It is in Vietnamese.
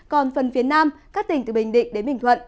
còn phần phía nam các tỉnh từ bình định đến bình thuận